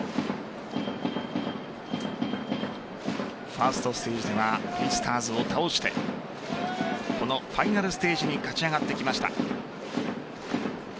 ファーストステージではベイスターズを倒してこのファイナルステージに勝ち上がってきました。